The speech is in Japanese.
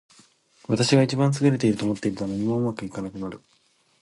私が一番優れていると思っていると、何もうまくいかなくなる。